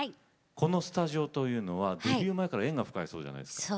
このスタジオというのはデビュー前から縁が深いそうじゃないですか。